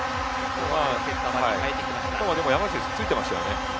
今度は山内選手ついてましたよね。